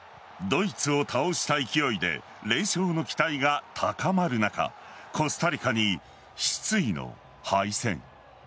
ドイツを倒した勢いで連勝の期待が高まる中コスタリカに失意の敗戦。